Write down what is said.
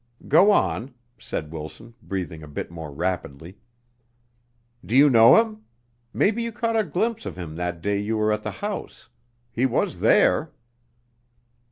"Go on," said Wilson, breathing a bit more rapidly. "Do you know him? Maybe you caught a glimpse of him that day you were at the house. He was there."